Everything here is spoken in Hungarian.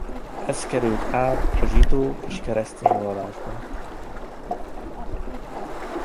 Ez került át a zsidó és keresztény vallásba.